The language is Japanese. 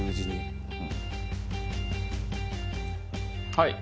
はい。